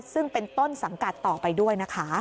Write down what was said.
ซึ่งเป็นต้นสังกัดต่อไปด้วยนะคะ